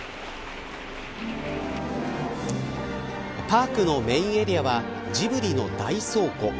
パークのメインエリアはジブリの大倉庫。